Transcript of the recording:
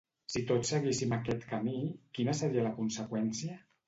Si tots seguíssim aquest camí, quina seria la conseqüència?